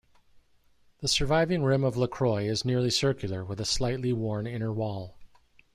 The surviving rim of Lacroix is nearly circular, with a slightly worn inner wall.